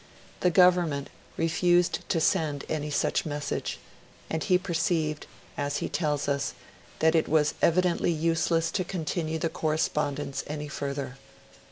The Government refused to send any such message; and he perceived, as he tells us, that 'it was evidently useless to continue the correspondence any further'.